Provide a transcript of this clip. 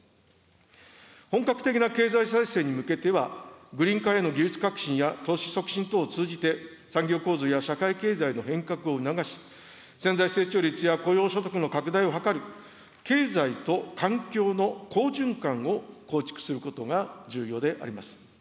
本格的な経済再生に向けては、グリーン化への技術革新や投資促進等を通じて、産業構造や社会経済の変革を促し、潜在成長率や雇用、所得の拡大を図り、経済と環境の好循環を構築することが重要であります。